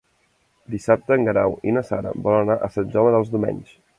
Dissabte en Guerau i na Sara volen anar a Sant Jaume dels Domenys.